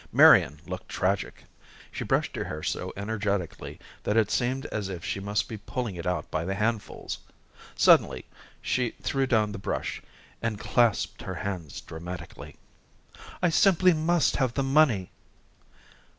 Marian looked tragic. She brushed her hair so energetically that it seemed as if she must be pulling it out by the handfuls. Suddenly, she threw down the brush, and clasped her hands dramatically. "I simply must have the money."